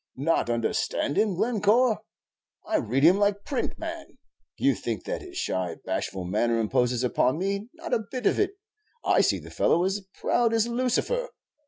"Not understand him, Glencore? I read him like print, man. You think that his shy, bashful manner imposes upon me; not a bit of it; I see the fellow is as proud as Lucifer.